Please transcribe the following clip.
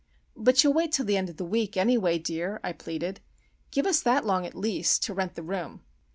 "But you'll wait till the end of the week, any way, dear," I pleaded. "Give us that long, at least, to rent the room."